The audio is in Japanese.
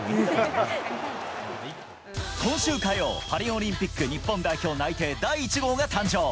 今週火曜、パリオリンピック・日本代表内定第１号が誕生。